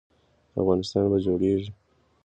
افغانستان به جوړیږي؟